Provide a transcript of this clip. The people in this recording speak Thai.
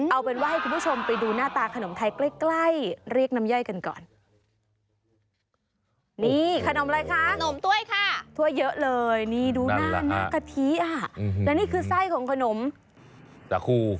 เอาเป็นว่าให้คุณผู้ชมไปดู